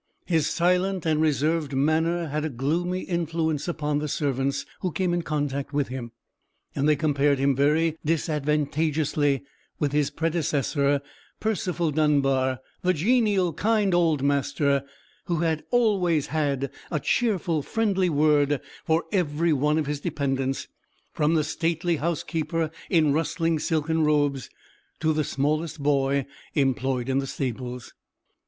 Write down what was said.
His silent and reserved manner had a gloomy influence upon the servants who came in contact with him: and they compared him very disadvantageously with his predecessor, Percival Dunbar; the genial, kind, old master, who had always had a cheerful, friendly word for every one of his dependants: from the stately housekeeper in rustling silken robes, to the smallest boy employed in the stables.